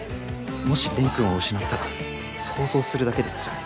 もし蓮くんを失ったら想像するだけでつらい。